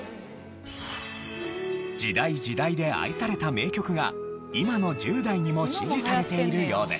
時代時代で愛された名曲が今の１０代にも支持されているようです。